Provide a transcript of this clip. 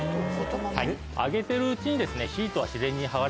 揚げてるうちに。